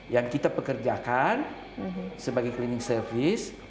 yang kita pekerjakan sebagai cleaning service